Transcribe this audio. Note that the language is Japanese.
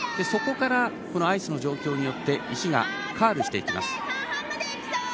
そこからアイスの状況によって石がカーブしていきます。